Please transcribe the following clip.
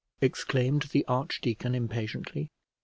exclaimed the archdeacon impatiently.